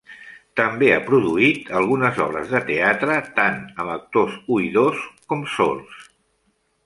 També ha produït algunes obres de teatre, tant amb actors oïdors com sords.